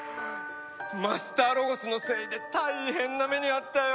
マスターロゴスのせいで大変な目に遭ったよ！